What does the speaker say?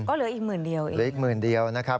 ก็เหลืออีกหมื่นเดียวอีกเหลืออีกหมื่นเดียวนะครับ